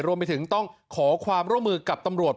รวมไปถึงต้องขอความร่วมมือกับตำรวจ